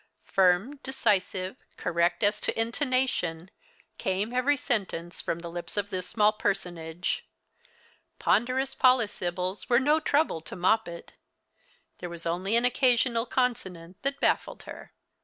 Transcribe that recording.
Firm, decisive, correct as to intonation came every sentence from the lips of this small personage. Ponderous polysyllables were no trouble to Moppet. There was only an occasional consonant that baffled her.